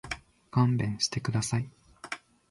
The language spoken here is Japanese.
勘弁してください。